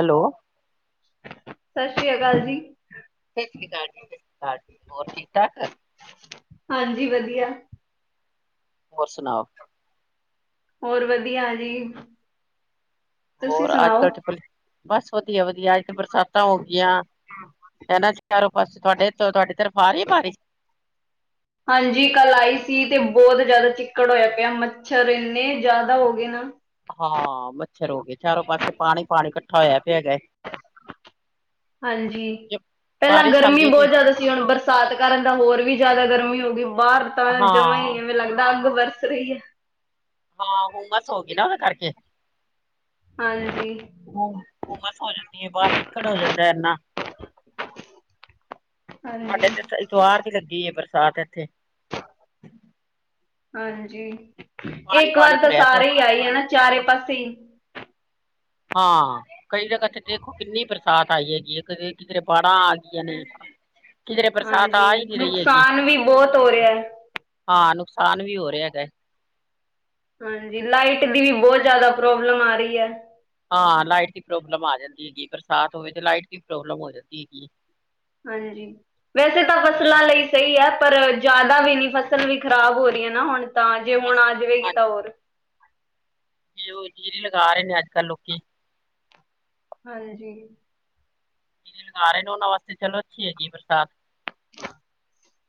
Hello ਸਤਿ ਸ੍ਰੀ ਅਕਾਲ ਜੀ। ਸਤਿ ਸ਼੍ਰੀ ਅਕਾਲ ਜੀ। ਅਕਾਲ ਜੀ ਹੋਰ ਠੀਕ ਠਾਕ? ਹਾਂਜੀ ਵਧੀਆ। ਹੋਰ ਸੁਣਾਓ? ਹੋਰ ਵਧੀਆ ਜੀ ਤੁਸੀਂ ਹੋਰ ਅੱਜ ਸੁਣਾਓ? ਕੱਲ ਟਿਪਲ ਬਸ ਵਧੀਆ, ਵਧੀਆ ਅੱਜ ਤੇ ਬਰਸਾਤਾਂ ਹੋ ਗਈਆਂ। ਇਹਨਾਂ ਚ ਚਾਰੋ ਪਾਸੇ ਤੁਹਾਡੇ ਤੁਹਾਡੀ ਤਰਫ ਆ ਰਹੀ ਬਾਰਿਸ਼? ਹਾਂਜੀ ਕੱਲ੍ਹ ਆਈ ਸੀ ਤੇ ਬਹੁਤ ਜ਼ਿਆਦਾ ਚਿੱਕੜ ਹੋਇਆ ਪਿਆ ਮੱਛਰ ਇੰਨੇ ਜ਼ਿਆਦਾ ਹੋ ਗਏ ਨਾ। ਹਾਂ ਮੱਛਰ ਹੋ ਗਏ ਚਾਰੋਂ ਪਾਸੇ ਪਾਣੀ ਪਾਣੀ ਇਕੱਠਾ ਹੋਇਆ ਪਿਆ ਹੈਗਾ। ਹਾਂਜੀ, ਜੇ ਪਹਿਲਾਂ ਬਾਰਿਸ਼ ਗਰਮੀ ਆਉਂਦੀ ਤੇ ਬਹੁਤ ਜ਼ਿਆਦਾ ਸੀ। ਹੁਣ ਬਰਸਾਤ ਕਾਰਨ ਤਾਂ ਹੋਰ ਵੀ ਜ਼ਿਆਦਾ ਗਰਮੀ ਹੋ ਗਈ। ਬਾਹਰ ਤਾਂ ਹਾਂ ਜਮਾ ਹੀ ਐਵੇਂ ਲੱਗਦਾ ਅੱਗ ਵਰਦੀ। ਸਹੀ ਹੈ। ਹਾਂ ਹੁਮਸ ਹੋ ਗਈ ਨਾ ਉਹਦੇ ਕਰਕੇ। ਹਾਂਜੀ ਹ ਹਮਸ ਹੋ ਜਾਂਦੀ ਹੈ ਬਾਹਰ ਚਿੱਕੜ ਹੋ ਜਾਂਦਾ ਇਨਾ। ਸਾਡੇ ਹਾਂਜੀ ਤੇ ਇਤਵਾਰ ਦੀ ਲੱਗੀ ਬਰਸਾਤ ਇੱਥੇ। ਹਾਂਜੀ ਪਾਣੀ ਇੱਕ ਪਾਣੀ ਵਾਰ ਤਾਂ ਭਰਿਆ ਪਿਆ ਸਾਰੇ ਹੀ ਆਈ ਆ ਨਾ ਚਾਰੇ ਪਾਸੇ। ਹਾਂ, ਕਈ ਜਗ੍ਹਾ ਦੇਖੋ ਕਿੰਨੀ ਬਰਸਾਤ ਆਈ ਹੈਗੀ ਹੈ। ਕਿਤੇ ਕਿਤੇ ਬਾੜਾਂ। ਕਹੀਂਆ ਨੇ ਕਿਧਰੇ ਬਰਸਾਤ ਆ ਹਾਂਜੀ ਹੀ ਨੀ ਰਹੀ ਹੈਗੀ। ਨੁਕਸਾਨ ਵੀ ਬਹੁਤ ਹੋ ਰਿਹਾ ਹੈ ਹਾਂ ਨੁਕਸਾਨ ਵੀ ਹੋ ਰਿਹਾ ਹੈਗਾ। ਹਾਂਜੀ ਲਾਈਟ ਦੀ ਵੀ ਬਹੁਤ ਜਿਆਦਾ ਪ੍ਰੋਬਲਮ ਆ ਰਹੀ ਹੈ। ਹਾਂ ਲਾਈਟ ਦੀ ਪ੍ਰੋਬਲਮ ਆ ਜਾਂਦੀ ਹੈਗੀ ਬਰਸਾਤ ਹੋਵੇ ਤੇ ਲਾਈਟ ਦੀ ਪ੍ਰੋਬਲਮ ਹੋ ਜਾਂਦੀ ਹੈਗੀ। ਹਾਂਜੀ, ਵੈਸੇ ਤਾਂ ਫਸਲਾਂ ਲਈ ਸਹੀ ਹੈ ਪਰ ਜ਼ਿਆਦਾ ਵੀ ਨੀ ਫਸਲ ਵੀ ਖ਼ਰਾਬ ਹੋ ਰਹੀ ਹੈ ਨਾ ਹੁਣ ਤਾਂ ਜੇ ਹੁਣ ਬਸ ਆ ਜਾਵੇਗੀ ਤਾਂ ਹੋਰ। ਹਾਂਜੀ ਉਹ ਜੀਰੀ ਲਗਾ ਰਹੇ ਨੇ ਅੱਜ ਕੱਲ੍ਹ ਲੋਕੀ। ਹਾਂਜੀ ਜੀਰੀ ਲਗਾ ਰਹੇ ਨੇ ਉਹਨਾਂ ਵਾਸਤੇ ਚਲ ਅੱਛੀ ਹੈਗੀ ਬਰਸਾਤ।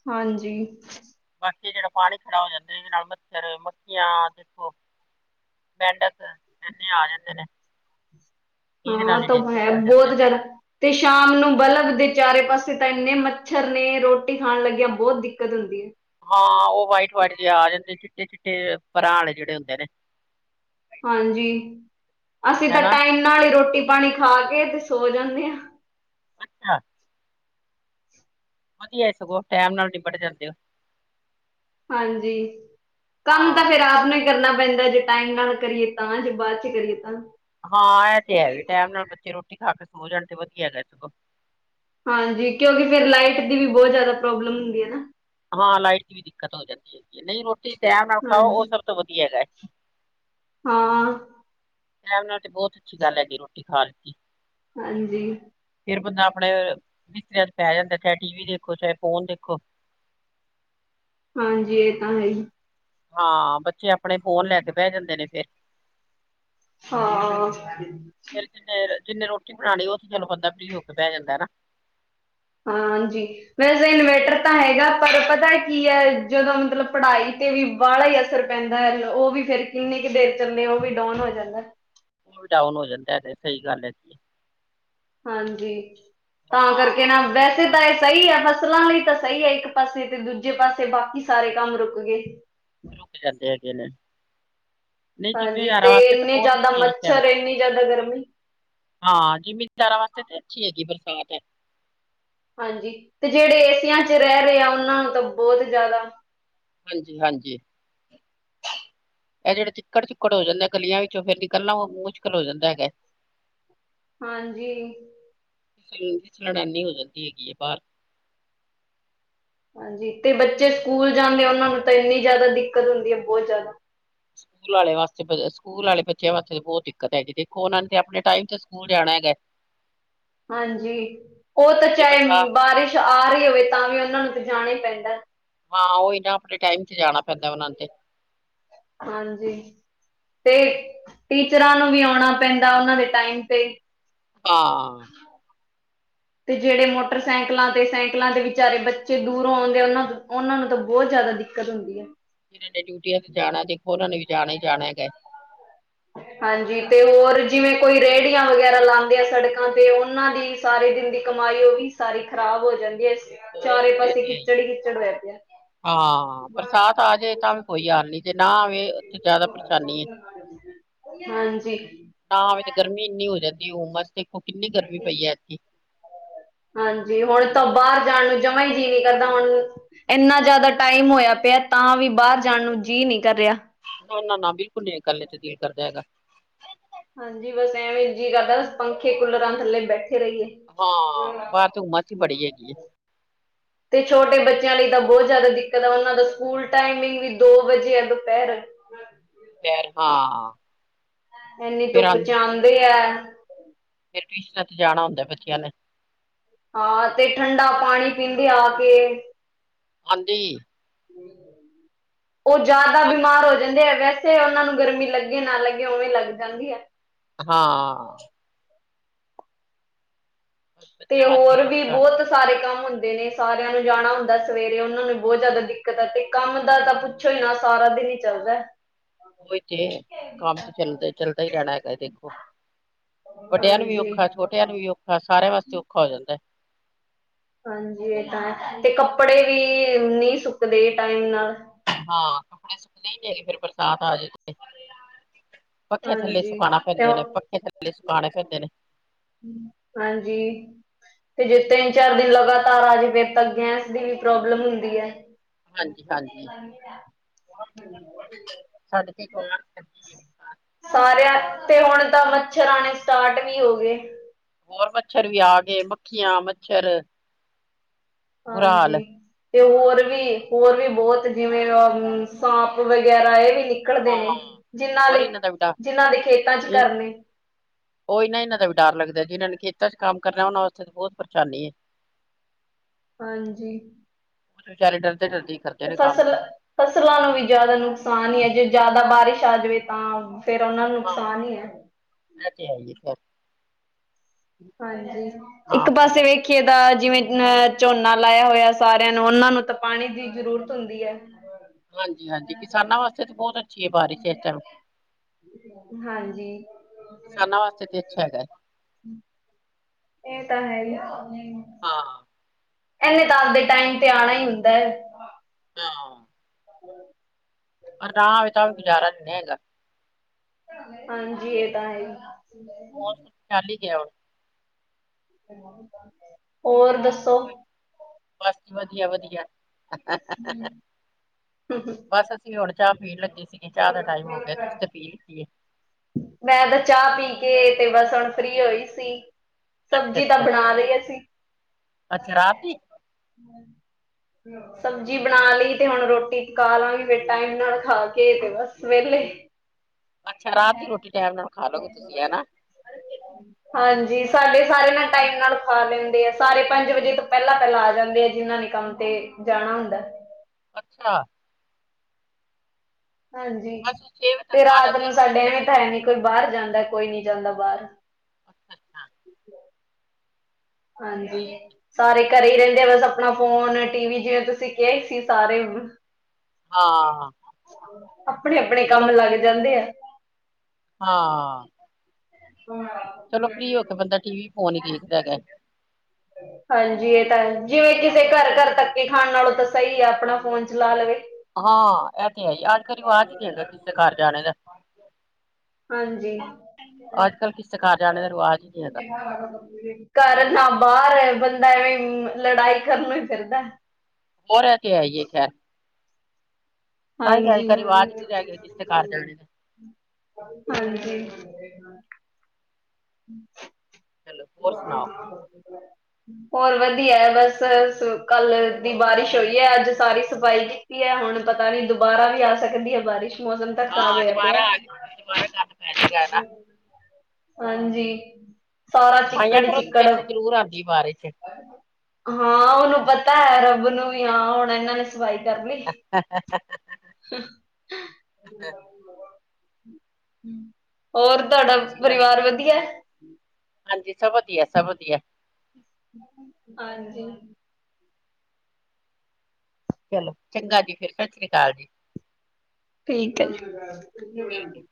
ਹਾਂਜੀ। ਬਾਕੀ ਜਿਹੜਾ ਪਾਣੀ ਖੜਾ ਹੋ ਜਾਂਦਾ ਇਹਦੇ ਨਾਲ ਮੱਛਰ ਮੱਖੀਆਂ ਦੇਖੋ। ਮੈਂਡਕ ਇਨੇ ਆ ਜਾਂਦੇ ਨੇ। ਇਹਦੇ ਹਾਂ ਨਾਲ ਹੀ ਤਾਂ ਡੇਂਗੂ ਹੈ ਫੈਲ ਜਾਂਦਾ ਬਹੁਤ ਜ਼ਿਆਦਾ। ਤੇ ਸ਼ਾਮ ਨੂੰ ਬਲਬ ਦੇ ਚਾਰੇ ਪਾਸੇ ਤਾਂ ਇੰਨੇ ਮੱਛਰ ਨੇ ਰੋਟੀ ਖਾਣ ਲੱਗਿਆ ਬਹੁਤ ਦਿੱਕਤ ਹੁੰਦੀ ਹੈ। ਹਾਂ ਉਹ ਵਾਈਟ ਵਟ ਜਆ ਆ ਜਾਂਦੇ ਚਿੱਟੇ ਚਿੱਟੇ ਭਰਾ ਵਾਲੇ ਜਿਹੜੇ ਹੁੰਦੇ ਨੇ। ਹਾਂਜੀ, ਅਸੀਂ ਤਾਂ ਹਨਾ ਟਾਈਮ ਨਾਲ ਹੀ ਰੋਟੀ ਪਾਣੀ ਖਾ ਕੇ ਤੇ ਸੋ ਜਾਂਦੇ ਹਾਂ। ਅੱਛਾ। ਵਧੀਆ ਸਗੋਂ ਟਾਈਮ ਨਾਲ ਨਿਬੜ ਜਾਂਦੇ ਹੋ। ਹਾਂਜੀ, ਕੰਮ ਤਾਂ ਫਿਰ ਹਾਂ ਆਪ ਨੇ ਕਰਨਾ ਪੈਂਦਾ ਜੇ ਟਾਈਮ ਨਾਲ ਕਰੀਏ ਤਾਂ ਜੇ ਬਾਅਦ ਚ ਕਰੀਏ ਤਾਂ। ਹਾਂ ਇਹ ਤੇ ਹੈ ਵੀ ਟਾਈਮ ਨਾਲ ਬੱਚੇ ਰੋਟੀ ਖਾ ਕੇ ਸੋਹ ਜਾਣ ਤੇ ਵਧੀਆ ਹੈ ਸਗੋਂ। ਹਾਂਜੀ ਕਿਉਂਕਿ ਫਿਰ ਲਾਈਟ ਦੀ ਵੀ ਬਹੁਤ ਜ਼ਿਆਦਾ ਪ੍ਰੋਬਲਮ ਹੁੰਦੀ ਹੈ ਨਾ। ਹਾਂ ਲਾਈਟ ਦੀ ਵੀ ਦਿੱਕਤ ਹੋ ਜਾਂਦੀ ਹੈਗੀ ਹੈ, ਨਹੀਂ ਰੋਟੀ ਟੈਮ ਨਾਲ ਖਾਓ ਉਹ ਹਾਂਜੀ ਸਭ ਤੋਂ ਵਧੀਆ ਹੈਗਾ ਹੈ। ਹਾਂ। ਟੈਮ ਨਾਲ ਤੇ ਬਹੁਤ ਅੱਛੀ ਗੱਲ ਹੈਗੀ ਰੋਟੀ ਖਾਣ ਦੀ। ਹਾਂਜੀ। ਫਿਰ ਬੰਦਾ ਆਪਣੇ ਬਿਸਤਰੀਆਂ ਚ ਪੈ ਜਾਂਦਾ ਚਾਹੇ ਟੀ ਵੀ ਦੇਖੋ ਚਾਹੇ ਫੋਨ ਦੇਖੋ। ਹਾਂਜੀ ਇਹ ਤਾਂ ਹੈ ਹੀ। ਹਾਂ ਬੱਚੇ ਆਪਣੇ ਫੋਨ ਲੈ ਕੇ ਬਹਿ ਜਾਂਦੇ ਨੇ ਫੇਰ। ਹਾਂ। ਫਿਰ ਜਿੰਨੇ ਜਿੰਨੇ ਰੋਟੀ ਬਣਾਣੀ ਉਹ ਤੇ ਚਲੋ ਬੰਦਾ ਫ੍ਰੀ ਹੋਕੇ ਬਹਿ ਜਾਂਦਾ ਹੈ ਨ। ਹਾਂ ਹਾਂਜੀ। ਵੈਸੇ ਇਨਵੇਟਰ ਤਾਂ ਹੈਗਾ ਪਰ ਪਤਾ ਕੀ ਹੈ ਜਦੋਂ ਮਤਲਬ ਪੜ੍ਹਾਈ ਤੇ ਵੀ ਵਾਲਾਹਾ ਹੀ ਅਸਰ ਪੈਂਦਾ ਹੈ ਉਹ ਵੀ ਫਿਰ ਕਿੰਨੀ ਕੁ ਦੇਰ ਚੱਲੇ, ਉਹ ਵੀ ਡਾਊਨ ਹੋ ਜਾਂਦਾ। ਉਹ ਡਾਊਨ ਹੋ ਜਾਂਦਾ ਤੇ ਸਹੀ ਗੱਲ ਹੈ ਜੀ। ਹਾਂਜੀ, ਤਾਂ ਕਰਕੇ ਹਾਂ ਵੈਸੇ ਤਾਂ ਇਹ ਸਹੀ ਹੈ, ਫਸਲਾਂ ਲਈ ਤਾਂ ਸਹੀ ਹੈ ਇੱਕ ਪਾਸੇ ਤੇ ਦੂਜੇ ਪਾਸੇ ਬਾਕੀ ਸਾਰੇ ਕੰਮ ਰੁਕ ਗਏ। ਰੁਕ ਜਾਂਦੇ ਹੈਗੇ ਨੇ। ਨਹੀਂ ਹਾਂਜੀ ਜ਼ਿੰਮੇਦਾਰਾਂ ਤੇ ਵਾਸਤੇ ਤਾਂ ਇੰਨੇ ਬਹੁਤ ਜ਼ਿਆਦਾ ਅੱਛੀ ਹੈ ਇਸ ਟਾਈਮ। ਮੱਛਰ ਇੰਨੀ ਜ਼ਿਆਦਾ ਗਰਮੀ ਹਾਂ ਜ਼ਿਮੀਦਾਰਾਂ ਵਾਸਤੇ ਤੇ ਅੱਛੀ ਹੈਗੀ ਬਰਸਾਤ। ਹਾਂਜੀ, ਤੇ ਜਿਹੜੇ ਏਸੀਆਂ ਚ ਰਹਿ ਰਹੇ ਆ ਉਹਨਾਂ ਨੂੰ ਤਾਂ ਬਹੁਤ ਜ਼ਿਆਦਾ। ਹਾਂਜੀ-ਹਾਂਜੀ। ਇਹ ਜਿਹੜੇ ਚਿੱਕੜ-ਚੁੱਕੜ ਹੋ ਜਾਂਦੇ ਆ ਗਲੀਆਂ ਵਿੱਚੋਂ ਫੇਰ ਨਿਕਲਣਾ ਉਹ ਮੁਸ਼ਕਿਲ ਹੋ ਜਾਂਦਾ ਹੈਗਾ। [inaudible] [unintelligible] ਹਾਂਜੀ। ਫਿਸਲਣ ਏਨੀ ਹੋ ਜਾਂਦੀ ਹੈਗੀ ਹੈ ਬਾਹਰ। ਹਾਂਜੀ ਤੇ ਬੱਚੇ ਸਕੂਲ ਜਾਂਦੇ ਆ ਉਹਨਾਂ ਨੂੰ ਤਾਂ ਇੰਨੀ ਜ਼ਿਆਦਾ ਦਿੱਕਤ ਹੁੰਦੀ ਹੈ ਬਹੁਤ ਜ਼ਿਆਦਾ। ਸਕੂਲ ਵਾਲੇ ਵਾਸਤੇ ਸਕੂਲ ਵਾਲੇ ਬੱਚਿਆਂ ਵਾਸਤੇ ਬਹੁਤ ਦਿੱਕਤ ਹੈਗੀ ਦੇਖੋ ਉਹਨਾਂ ਨੇ ਤੇ ਆਪਣੇ ਟਾਈਮ ਤੇ ਸਕੂਲ ਜਾਣਾ ਹੈਗਾ। ਹਾਂਜੀ, ਉਹ ਤਾਂ ਜੇ ਬਰਸਾਤ ਚਾਹੇ ਬਾਰਿਸ਼ ਆ ਰਹੀ ਹੋਵੇ ਤਾਂ ਵੀ ਉਹਨਾਂ ਨੂੰ ਤਾਂ ਜਾਣਾ ਹੀ ਪੈਂਦਾ। ਹਾਂ ਉਹ ਹੀ ਨਾ ਆਪਣੇ ਟਾਈਮ ਚ ਜਾਣਾ ਪੈਂਦਾ ਉਹਨਾਂ ਤੇ। ਹਾਂਜੀ। ਤੇ, ਟੀਚਰਾਂ ਨੂੰ ਵੀ ਆਉਣਾ ਪੈਂਦਾ ਉਹਨਾਂ ਦੇ ਟਾਈਮ ਤੇ। ਹਾਂ ਤੇ ਜਿਹੜੇ ਮੋਟਰਸਾਈਕਲਾਂ ਤੇ ਸਾਈਕਲਾਂ ਤੇ ਵਿਚਾਰੇ ਬੱਚੇ ਦੂਰੋਂ ਆਉਂਦੇ ਉਹਨਾਂ ਉਹਨਾਂ ਨੂੰ ਤਾਂ ਬਹੁਤ ਜ਼ਿਆਦਾ ਕੱਤ ਹੁੰਦੀ ਹੈ। ਜਿੰਨਾ ਨੇ ਡਿਊਟੀਆਂ ਤੇ ਜਾਣਾ ਦੇਖੋ ਉਹਨਾਂ ਨੇ ਵੀ ਜਾਣਾ ਹੀ ਜਾਣਾ ਹੈਗਾ। ਹਾਂਜੀ, ਤੇ ਹੋਰ ਜਿਵੇਂ ਕੋਈ ਰੇਹੜੀਆਂ ਵਗੈਰਾ ਲਾਉਂਦੇ ਆ ਸੜਕਾਂ ਤੇ ਉਹਨਾਂ ਦੀ ਸਾਰੇ ਦਿਨ ਦੀ ਕਮਾਈ ਉਹ ਵੀ ਸਾਰੀ ਖ਼ਰਾਬ ਹੋ ਜਾਂਦੀ ਏ। ਇਸ ਹੋਰ ਇਹ ਚਾਰੇ ਤੇ ਹੈ ਪਾਸੇ ਹੈ ਖਿੱਚੜ ਹੀ ਖਿੱਚੜ ਬਹਿ ਪਿਆ। ਹਾਂ, ਬਰਸਾਤ ਆ ਜਾਵੇ ਤਾਂ ਵੀ ਕੋਈ ਹਾਲ ਨਹੀਂ ਜੇ ਨਾ ਆਵੇ ਉੱਥੇ ਜ਼ਿਆਦਾ ਪਰੇਸ਼ਾਨੀ ਏ। ਹਾਂਜੀ। ਨਾ ਆਵੇਂ ਤੇ ਗਰਮੀ ਇੰਨੀ ਹੋ ਜਾਂਦੀ, ਹੁੰਮਸ ਦੇਖੋ ਕਿੰਨੀ ਗਰਮੀ ਪਈ ਹੈ ਐਤਕੀ। ਹਾਂਜੀ ਹੁਣ ਤਾ ਬਾਰ ਜਾਣ ਨੂੰ ਜਮਾ ਹੀ ਜੀਅ ਨਹੀਂ ਕਰਦਾ ਹੁਣ। ਇੰਨਾ ਜਾਦਾ ਟਾਈਮ ਹੋਇਆ ਪਿਆ ਤਾ ਵੀ ਬਾਰ ਜਾਣ ਨੂੰ ਜੀਅ ਨੀ ਕਰ ਰਿਹਾ। ਇਨਾ ਨਾ ਬਿਲਕੁਲ ਨੀ ਨਿਕਲਣੇ ਨੂੰ ਜੀ ਕਰਦਾ ਹੈਗਾ। ਹਾਂਜੀ ਬਸ ਐਵੇਂ ਜੀ ਕਰਦਾ ਪੰਖੇ ਕੂਲਰਾਂ ਥੱਲੇ ਬੈਠੇ ਰਹੀਏ। ਹਾਂ ਬਾਹਰ ਤੋਂ ਹੁੰਮਸ ਸੀ ਹੀ ਬੜੀ ਹੈਗੀ ਏ। ਤੇ ਛੋਟੇ ਬੱਚਿਆਂ ਲਈ ਤਾ ਬੋਹਤ ਜਾਦਾ ਦਿੱਕਤ ਆ ਉਹਨਾ ਦਾ ਸਕੂਲ ਟਾਈਮਿੰਗ ਵੀ ਦੋ ਵਜੇ ਆ ਦੁਪਹਿਰ। ਫਿਰ ਹਾਂ। ਇੰਨੀ ਫੇਰ ਆਂ ਧੁੱਪ ਚ ਆਦੇ ਆ। ਫੇਰ ਟਿਊਸ਼ਨਾ ਤੇ ਜਾਣਾ ਹੁੰਦਾ ਬੱਚਿਆ ਨੇ। ਹਾਂ ਤੇ ਠੰਡਾ ਪਾਣੀ ਪੀਂਦੇ ਆ ਕੇ। ਹਾਂਜੀ ਉਹ ਜਾਦਾ ਆਂ- ਬਿਮਾਰ ਹੋ ਜਾਂਦੇ ਹੈਗਾ। ਤੇ ਉਹਨਾ ਨੂੰ ਗਰਮੀ ਲੱਗੇ ਨਾ ਲੱਗੇ ਉਵੇਂ ਲੱਗ ਜਾਂਦੀ ਹੈ। ਹਾਂ ਬਸ ਤੇ ਬੱਚਿਆਂ ਵਾਸਤੇ ਹੋਰ ਵੀ ਔਖਾ ਬੋਹਤ ਸਾਰੇ ਕੰਮ ਹੁੰਦੇ ਨੇ ਸਾਰਿਆ ਨੂੰ ਜਾਣਾ ਹੁੰਦਾ ਸਵੇਰੇ ਉਹਨਾ ਨੂੰ ਬਹੁਤ ਜਾਦਾ ਦਿੱਕਤ ਆ ਤੇ ਕੰਮ ਦਾ ਤਾਂ ਪੁੱਛੋ ਹੀ ਨਾ ਸਾਰਾ ਦਿਨ ਹੀ ਚੱਲਦਾ। ਉਹੀ ਤੇ ਕੰਮ ਤੇ ਚੱਲਦਾ-ਚੱਲਦਾ ਹੀ ਰਹਿਣਾ ਹੈਗਾ ਦੇਖੋ। ਵੱਡਿਆਂ ਨੂੰ ਵੀ ਹਾਂਜੀ ਔਖਾ, ਛੋਟਿਆਂ ਨੂੰ ਵੀ ਔਖਾ ਸਾਰਿਆਂ ਵਾਸਤੇ ਔਖਾ ਹੋ ਜਾਂਦਾ। ਹਾਂਜੀ ਇਹ ਤਾਂ ਹੈ ਤੇ ਕੱਪੜੇ ਵੀ ਨਈ ਸੁੱਕਦੇ ਟਾਈਮ ਨਾਲ। ਹਾਂ ਕੱਪੜੇ ਸੁੱਕਦੇ ਹੀ ਨੀ ਹੈ ਫੇਰ ਬਰਸਾਤ ਆ [unintelligible] ਪੱਖੇ ਥੱਲੇ ਹਾਂਜੀ ਸੁਕਾਉਣਾ ਤੇ ਪੈਂਦੇ ਨੇ, ਉਹ ਪੱਖੇ ਥੱਲੇ ਸੁਕਾਉਣੇ ਪੈਂਦੇ ਨੇ। ਹਾਂਜੀ ਤੇ ਜੇ ਤਿੰਨ ਚਾਰ ਦਿਨ ਲਗਾਤਾਰ ਆ ਜਾਵੇ ਫਿਰ ਤ ਗੈਸ ਦੀ ਵੀ ਪ੍ਰੋਬਲਮ ਹੁੰਦੀ ਏ। ਹਾਂਜੀ-ਹਾਂਜੀ ਸਾਡੇ ਤੇ ਏ। ਸਾਰਿਆਂ ਤੇ ਹੁਣ ਤਾਂ ਮੱਛਰ ਆਣੇ ਸਟਾਰਟ ਵੀ ਹੋ ਗਏ। ਹੋਰ ਮੱਛਰ ਵੀ ਆ ਗਏ ਮੱਖੀਆਂ-ਮੱਛਰ। ਹਾਂਜੀ ਤੇ ਹੋਰ ਵੀ ਹੋਰ ਵੀ ਬਹੁਤ ਜਿਵੇਂ ਅ ਸਾਂਪ ਵਗੈਰਾ ਇਹ ਵੀ ਨਿ ਨਕਲਦੇ ਹਾਂ ਨੇ ਜਿਨਾ ਹੋਰ ਦੇ, ਇਹਨਾਂ ਦਾ ਵੀ ਡਰ ਜਿਨਾ ਦੇ ਖੇਤਾ ਚ ਇਹ ਘਰ ਨੇ। ਉਹ ਹੀ ਨਾ ਇਹਨਾ ਦਾ ਵੀ ਡਰ ਲੱਗਦਾ ਜਿਹਨਾਂ ਨੇ ਖੇਤਾਂ ਚ ਕੰਮ ਕਰਨਾ ਉਹਨਾ ਵਾਸਤੇ ਬਹੁਤ ਪਰੇਸ਼ਾਨੀ ਏ। [inaudible] ਹਾਂਜੀ ਕੁਛ ਵਿਚਾਰੇ ਡਰਦੇ-ਡਰਦੇ ਹੀ ਕਰਦੇ ਤੇ ਨੇ ਕੰਮ ਫਸਲ ਫਸਲਾਂ ਨੂੰ ਵੀ ਜਾਦਾ ਨੁਕਸਾਨ ਹੀ ਏ ਜੇ ਜਾਦਾ ਬਾਰਿਸ਼ ਆ ਜਾਵੇ ਤਾ। ਫੇਰ ਉਨਾ ਨੂੰ ਹਾਂ ਨੁਕਸਾਨ ਹੀ ਏ। ਇਹ ਤੇ ਹੈ ਹੀ ਹੈ [unintelligible] ਹਾਂਜੀ ਇੱਕ ਹਾਂ ਪੀਲਾ ਪਾਸੇ ਵੇਖ ਵੇਖੀਏ ਤਾ ਜਿਵੇ ਅਹ ਝੋਨਾ ਲਾਇਆ ਹੋਇਆ ਸਾਰਿਆ ਨੂੰ ਉਹਨਾ ਨੂੰ ਤਾ ਪਾਣੀ ਦੀ ਜ਼ਰੂਰਤ ਹੁੰਦੀ ਏ। ਹਾਂਜੀ-ਹਾਂਜੀ ਕਿਸਾਨਾਂ ਵਾਸਤੇ ਤਾਂ ਬੌਤ ਅੱਛੀ ਏ ਬਾਰਿਸ਼ ਏ ਚਲੋ ਹਾਂਜੀ। ਕਿਸਾਨਾਂ ਵਾਸਤੇ ਤੇ ਅੱਛਾ ਹੈਗਾ। ਏ ਤਾਂ ਹੈਈ ਏ ਹਾਂ [unintelligible] ਏਨੇ [unintelligible] ਦੇ ਟਾਈਮ ਤੇ ਆਣਾ ਈ ਹੁੰਦਾ। [unintelligible] ਹ [unintelligible] ਪਰ ਨਾ ਹੋਵੇ ਤਾਂਵੀ ਗੁਜ਼ਾਰਾ ਨੀ ਹੈਗਾ। ਹਾਂਜੀ ਏ ਤਾ ਹੈ ਈ। ਮੌਸਮ ਚੱਲ ਹੀ ਗਿਆ ਓ। ਔਰ ਦੱਸੋ? ਬਸ ਜੀ ਵਧੀਆ-ਵਧੀਆ ਬਸ ਕਿ ਹੁਣ ਚਾ ਪੀਣ ਲੱਗੀ ਸੀਗੀ। ਚਾ ਦਾ ਟਾਈਮ ਹੋ ਗਿਆ। ਤੁਸੀਂ ਤੇ ਪੀ ਲੀਤੀ ਏ। ਮੈਂ ਤਾ ਚਾ, ਪੀ ਕੇ ਤੇ ਵਸ ਹੁੰਣ ਫਰੀ ਹੋਈ ਸੀ। ਅੱਛਾ ਸਬਜ਼ੀ ਤਾਂ ਅੱਛਾ ਬਣਾ ਲਈ ਅਸੀਂ। ਅੱਛਾ ਰਾਤ ਦੀ ਸਬਜ਼ੀ ਬਣਾ ਲਈ ਤੇ, ਹੁਣ ਰੋਟੀ ਪਕਾ ਲਾਂਗੇ ਫੇਰ ਟਾਈਮ ਨਾਲ ਖਾ [unintelligible] ਬਸ ਵੇਹਲੇ ਅੱਛਾ ਰਾਤ ਦੀ ਰੋਟੀ ਟੈਮ ਨਾਲ ਖਾਲੋਗੇ ਤੁਸੀਂ ਹੇਨਾ। ਹਾਂਜੀ, ਸਾਡੇ ਸਾਰੇ ਨਾ ਟਾਈਮ ਨਾਲ ਖਾ ਲੈਂਦੇ ਆ, ਸਾਰੇ ਪੰਜ ਵਜੇ ਤੋਂ ਪੈਲਾਂ-ਪੈਲਾਂ ਆ ਜਾਂਦੇ ਜਿਨਾਂ ਨੇ ਕੰਮ ਤੇ ਜਾਣਾ ਹੁੰਦਾ। ਅੱਛਾ। ਹਾਂਜੀ, ਬਸ ਛੇ ਵਜੇ ਤੱਕ ਤੇ ਖਾ ਰਾਤ ਲੈਂਦੇ ਨੂੰ ਰੋਟੀ ਸਾਡੇ ਫਿਰ ਐਵੇਂ ਤਾਂ ਹੈ ਨੀ ਕੋਈ, ਬਾਹਰ ਜਾਂਦਾ ਕੋਈ ਨੀ ਜਾਂਦਾ ਬਾਹਰ। ਅੱਛਾ ਅੱਛਾ ਹਾਂਜੀ। ਸਾਰੇ ਘਰੇ ਹੀ ਰਹਿੰਦੇ ਆ। ਬਸ ਆਪਣਾ ਫੋਨ, ਟੀ ਵੀ ਜਿਵ ੇਂ ਤੁਸੀਂ ਕਿਹਾ ਸੀ। ਸਾਰੇ ਹਾਂ ਆਪਣੇ-ਆਪਣੇ ਚਲੋ ਕੰਮ ਲੱਗ ਜਾਂਦੇ ਆ। ਹਾਂ, ਚਲੋ ਫਰੀ ਹੋ ਕੇ ਬੰਦਾ ਟੀ ਵੀ, ਫੋਨ ਦੇਖਦਾ ਹੈਗਾ। ਹਾਂਜੀ, ਇਹ ਤਾਂ ਜਿਵੇਂ ਕਿਸੇ ਘਰ- ਘਰ ਧੱਕੇ ਖਾਣ ਨਾਲੋਂ, ਤਾਂ ਸਹੀ ਆ ਆਪਣਾ ਫੋਨ ਚਲਾ ਲਵੇ। ਹਾਂ ਏ ਤੇ ਹੈਈ, ਅੱਜ ਕੱਲ ਰਿਵਾਜ਼ ਈ ਨੀ ਹੇਗਾ। ਕਿਸੇ ਦੇ ਘਰ ਜਾਣੇ ਦਾ। ਹਾਂਜੀ ਅੱਜ-ਕੱਲ ਕਿਸੇ ਘਰ ਜਾਣੇ ਦਾ ਰਿਵਾਜ ਨੀ ਹੈਗਾ ਜਖ ਆ [unintelligible] ਘਰ ਨਾ ਬਾਰ ਏ ਬੰਦਾ ਐਵੇਂ ਲੜਾਈ ਕਰਨੂੰ ਈ ਫਿਰਦਾ। ਹੋਰ ਏ ਤੇ ਹੈਈ ਏ ਖੈਰ। ਸਾਰੀ ਸਾਰੀ ਘਰ ਆਵਾਜ਼ ਨੀ ਰਹਿ ਗਈ ਜਿਸਦੇ ਘਰ ਜਾਣੇ ਨੇ ਹਾਂਜੀ-ਹਾਂਜੀ। ਚਲੋ ਹੋਰ ਆ ਸੁਣਾਓ [unintelligible] ਹੋਰ ਵਦੀਆ ਬਸ। ਸ ਕੱਲ ਦੀ ਬਾਰਿਸ਼ ਹੋਈ ਐ, ਅੱਜ ਸਾਰੀ ਸਫ਼ਾਈ। ਕੀ ਹੈ, ਹੁਣ ਪਤਾ ਨੀ ਦੁ ਬਾਰਾਂ ਵੀ ਅੱਛਾ ਆ ਸਕਦੀ ਏ ਬਾਰਿਸ਼। ਮੌਸਮ ਤਾਂ ਖ਼ਰਾਬ ਹਾਂ ਹੋਐਆ ਦੁਬਾਰਾ ਪਿਆ। ਆ ਗਈ ਦੁਬਾਰਾ ਗੱਲ ਪੈ ਜਾਏਗਾ ਨਾ ਹਾਂਜੀ। ਸਾਰਾ ਤੇ ਸਫਾਈਆਂ ਚਿੱਕੜ ਈ ਕਰੋ ਤੇ ਚਿੱਕੜ ਫੇਰ ਤੇ ਜ਼ਰੂਰ ਆਂਦੀ ਹੈ ਬਾਰਿਸ਼। ਹਾਂ ਉਨੂੰ ਪਤਾ ਐ ਰੱਬ ਨੂੰ ਵੀ, ਹਾਂ ਹੁਣ ਏਨਾਂ ਨੇ ਸਫਾਈ ਕਰਲੀ। ਹ [unintelligible] ਹ [unintelligible] ਹੱ [unintelligible] ਹੋਰ ਚਲੋ ਤੁਆਡਾ ਅੱਛੀ ਗੱਲ ਹੈ ਪਰਿਵਾਰ ਵਦੀਆ ਐ? ਹਾਂਜੀ ਸਬ ਵਦੀਆ ਐ, ਸਬ ਵਦੀਆ ਐ। ਹਾਂਜੀ। ਚਲੋ ਚੰਗਾ ਜੀ। ਫੇਰ ਸਤਿ ਸ੍ਰੀ ਕਾਲ ਜੀ। ਠੀਕ ਏ। ਠੀਕ ਹੈ ਠੀਕ